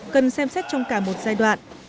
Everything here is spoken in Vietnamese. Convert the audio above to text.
cần xem xét trong cả một giai đoạn